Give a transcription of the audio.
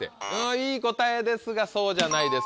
いい答えですがそうじゃないです。